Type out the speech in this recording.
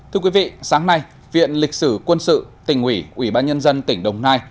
thưa quý vị sáng nay viện lịch sử quân sự tỉnh ủy ủy ban nhân dân tỉnh đồng nai